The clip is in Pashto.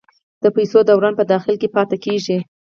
د پیسو دوران په داخل کې پاتې کیږي؟